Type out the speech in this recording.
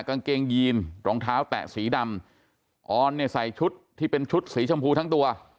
กางเกงยีนรองเท้าแตะสีดำออนเนี่ยใส่ชุดที่เป็นชุดสีชมพูทั้งตัว